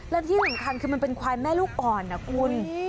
และที่สำคัญคือมันเป็นควายแม่ลูกอ่อนนะคุณ